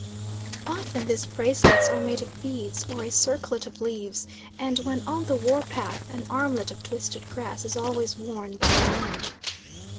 Often these bracelets are made of beads, or a circlet of leaves, and when on the war path an armlet of twisted grass is always worn by the men.